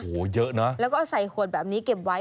โอ้โหเยอะนะแล้วก็เอาใส่ขวดแบบนี้เก็บไว้